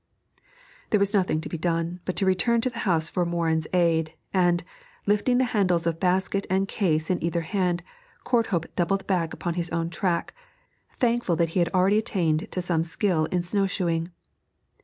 There was nothing to be done but return to the house for Morin's aid, and, lifting the handles of basket and case in either hand, Courthope doubled back upon his own track, thankful that he had already attained to some skill in snow shoeing.